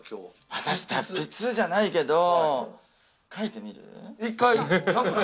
私、達筆じゃないけど書いてみる。